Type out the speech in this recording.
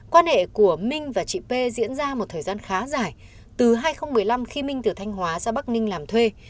quan hệ của minh và chị p diễn ra một thời gian khá dài từ hai nghìn một mươi năm khi minh từ thanh hóa ra bắc ninh làm thuê